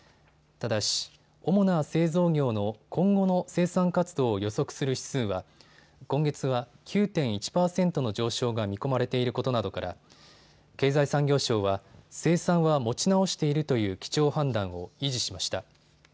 ただし主な製造業の今後の生産活動を予測する指数は今月は９．１％の上昇が見込まれていることなどから経済産業省は生産は持ち直しているという基調判断を維持しました。